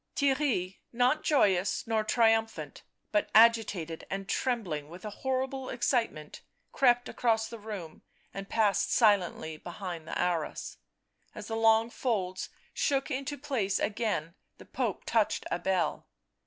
Theirry, not joyous nor triumphant, but agitated and trembling with a horrible excitement, crept across the room and passed silently behind the arras. As the long folds shook into place again the Pope touched a bell.